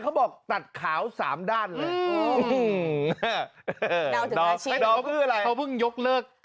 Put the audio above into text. เขาบอกตัดขาวสามด้านเลยอืมน่าวน่าวน่าวเขาเพิ่งยกเลิก